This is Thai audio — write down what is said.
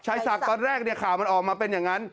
ชัยศักดิ์ตอนแรกข่ามันออกมาเป็นอย่างนั้น